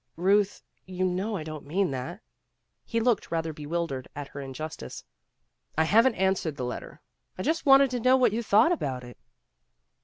'' "Euth, you know I don't mean that." He looked rather bewildered at her injustice. "I haven't answered the letter. I just wanted to know what you thought about it.